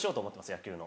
野球の。